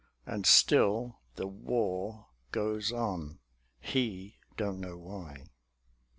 And still the war goes on; he don't know why.